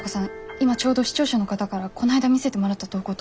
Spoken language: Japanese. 今ちょうど視聴者の方からこないだ見せてもらった投稿と同じ。